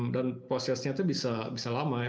dan prosesnya itu bisa lama ya